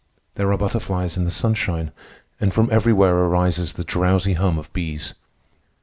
There are butterflies in the sunshine, and from everywhere arises the drowsy hum of bees.